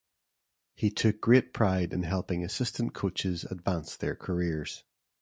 He took great pride in helping assistant coaches advance their careers.